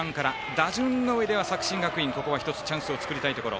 打順のうえでは作新学院、ここは１つチャンスを作りたいところ。